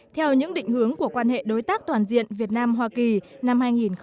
theo những định hướng của quan hệ đối tác toàn diện việt nam hoa kỳ năm hai nghìn hai mươi